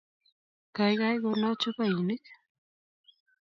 Kaikai kona chupainik